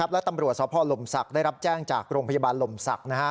และตำรวจสพลมศักดิ์ได้รับแจ้งจากโรงพยาบาลลมศักดิ์